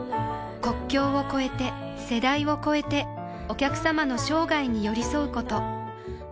国境を超えて世代を超えてお客様の生涯に寄り添うこと